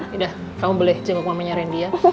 yaudah kamu boleh cenguk mamanya rendy ya